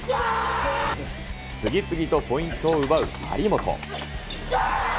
次々とポイントを奪う張本。